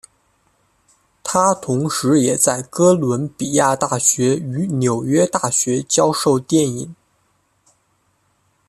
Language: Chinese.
他同时也在哥伦比亚大学与纽约大学教授电影。